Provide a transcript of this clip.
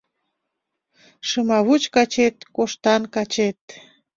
Шымавуч качет, коштан качет